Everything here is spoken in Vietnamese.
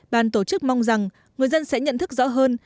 bàn tổ chức mong rằng người dân sẽ nhận thức rõ hơn